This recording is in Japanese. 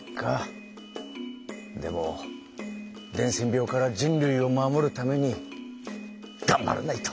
でも伝染病から人類を守るためにがんばらないと！